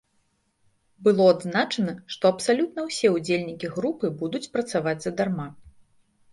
Было адзначана, што абсалютна ўсе ўдзельнікі групы будуць працаваць задарма.